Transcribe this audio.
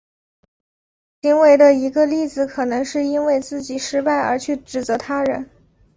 这种行为的一个例子可能是因为自己失败而去指责他人。